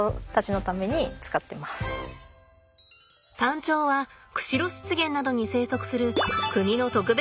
タンチョウは釧路湿原などに生息する国の特別天然記念物です。